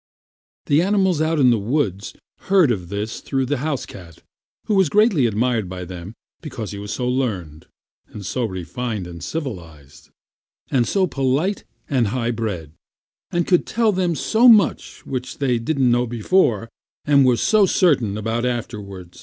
The animals out in the woods heard of this through the housecat, who was greatly admired by them because he was so learned, and so refined and civilized, and so polite and high bred, and could tell them so much which they didn't know before, and were not certain about afterward.